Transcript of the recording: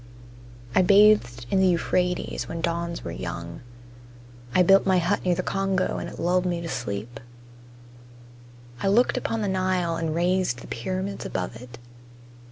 I bathed in the Euphrates when dawns were young. I built my hut near the Congo and it lulled me to sleep. I looked upon the Nile and raised the pyramids above it.